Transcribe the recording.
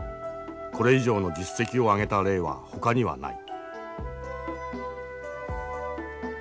これ以上の実績を上げた例はほかにはない。